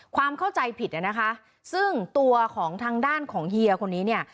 ความเข้าใจผิดนะคะซึ่งตัวของทางด้านของเฮียคนนี้เนี่ย